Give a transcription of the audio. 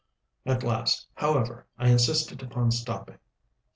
At last, however, I insisted upon stopping.